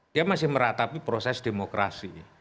dia masih meratapi proses demokrasi